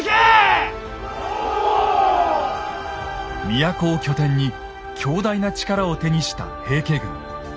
都を拠点に強大な力を手にした平家軍。